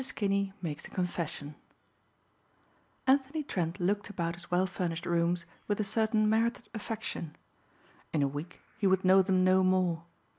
KINNEY MAKES A CONFESSION ANTHONY TRENT looked about his well furnished rooms with a certain merited affection. In a week he would know them no more.